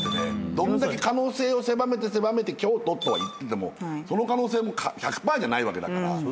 どんだけ可能性を狭めて狭めて京都とは言っててもその可能性も１００％じゃないわけだから。